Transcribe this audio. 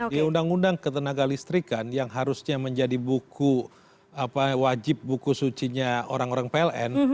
di undang undang ketenaga listrikan yang harusnya menjadi buku wajib buku sucinya orang orang pln